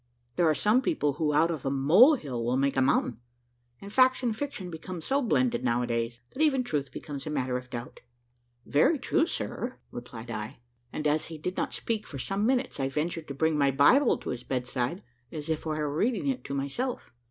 There are some people who out of a mole hill will make a mountain; and facts and fiction become so blended now a days, that even truth becomes a matter of doubt." "Very true, sir," replied I; and as he did not speak for some minutes, I ventured to bring my Bible to his bedside, as if I were reading it to myself.